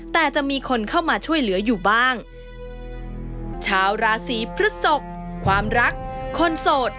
แต่จะมีคนเข้ามาช่วยเหลืออยู่บ้างชาวราศีพฤศกความรักคนโสด